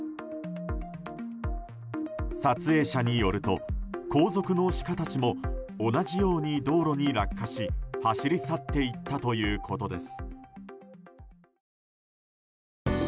撮影者によると後続のシカたちも同じように道路に落下し走り去っていったということです。